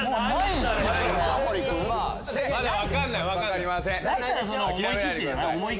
まだ分かんない。